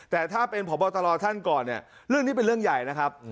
แต่ถ้าเป็นพบตรท่านก่อนเนี่ยเรื่องนี้เป็นเรื่องใหญ่นะครับ